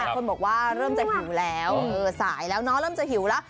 คนบอกว่าเริ่มจะหิวแล้วสายแล้วเนาะเริ่มจะหิวแล้ว